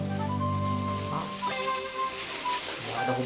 gak ada hubungannya tuh neng